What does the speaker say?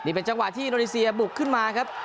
เป็นจังหวะที่อินโดนีเซียบุกขึ้นมาครับ